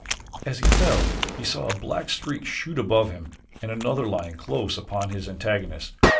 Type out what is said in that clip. As he fell he saw a black streak shoot above him and another lion close upon his antagonist.